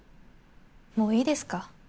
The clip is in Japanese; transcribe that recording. もういいですか？